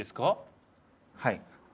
はい。